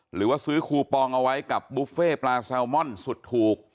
หรือว่าซื้อคูปองเอาไว้กับบุฟเฟ่ปลาแซลมอนสุดถูก